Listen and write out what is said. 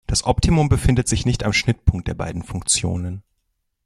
Das Optimum befindet sich nicht am Schnittpunkt der beiden Funktionen.